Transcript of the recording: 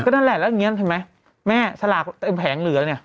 นั่นแหละและ๐๑ใช่ไหมแม่สลากเกรงเหลือนี่